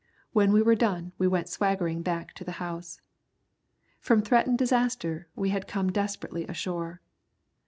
When we were done we went swaggering back to the house. From threatened disaster we had come desperately ashore.